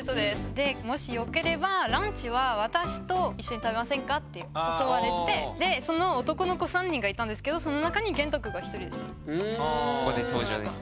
で「もしよければランチは私と一緒に食べませんか？」って誘われてでその男の子３人がいたんですけどここで登場ですね。